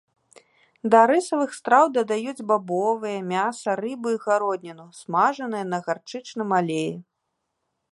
Да рысавых страў дадаюць бабовыя, мяса, рыбу і гародніну, смажаныя на гарчычным алеі.